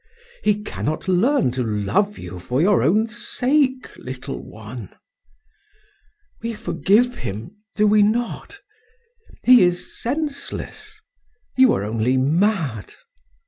He cannot learn to love you for your own sake, little one! We forgive him, do we not? He is senseless; you are only mad.